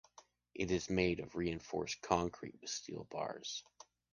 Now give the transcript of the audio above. It is made of reinforced concrete with steel bars.